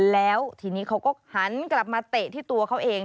แล้วทีนี้เขาก็หันกลับมาเตะที่ตัวเขาเอง